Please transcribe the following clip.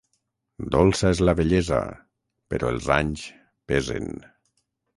Dolça és la vellesa, però els anys pesen.